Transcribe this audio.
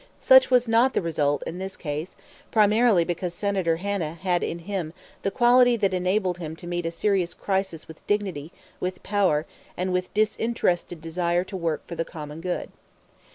Such was not the result, in this case, primarily because Senator Hanna had in him the quality that enabled him to meet a serious crisis with dignity, with power, and with disinterested desire to work for the common good.